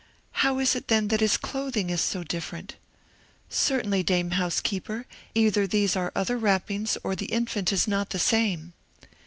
"How is it, then, that his clothing is so different? Certainly, dame housekeeper, either these are other wrappings, or the infant is not the same."